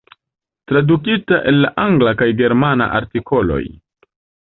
Tradukita el la angla kaj germana artikoloj.